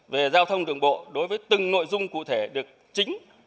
về giao thông đường bộ đối với từng nội dung cụ thể được chính